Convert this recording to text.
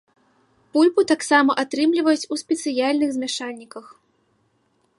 Пульпу таксама атрымліваюць у спецыяльных змяшальніках.